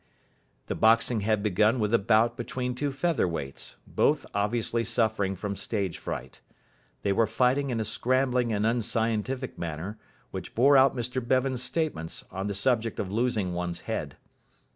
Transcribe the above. The boxing had begun with a bout between two feather weights, both obviously suffering from stage fright. They were fighting in a scrambling and unscientific manner, which bore out Mr Bevan's statements on the subject of losing one's head.